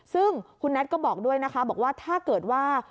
ซึ่งคุณแท็ตก็บอกด้วยนะคะบอกว่าถ้าเกิดว่า